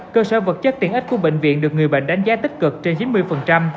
cơ sở vật chất tiện ích của bệnh viện được người bệnh đánh giá tích cực trên chín mươi